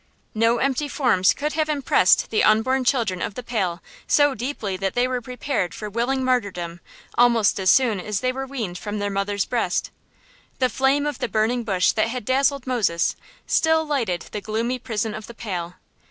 No empty forms could have impressed the unborn children of the Pale so deeply that they were prepared for willing martyrdom almost as soon as they were weaned from their mother's breast. The flame of the burning bush that had dazzled Moses still lighted the gloomy prison of the Pale.